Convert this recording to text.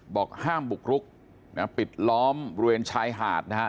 บอกห้ามบุกรุกนะปิดล้อมบริเวณชายหาดนะฮะ